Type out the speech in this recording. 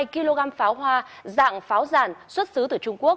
một trăm ba mươi hai kg pháo hoa dạng pháo giàn xuất xứ từ trung quốc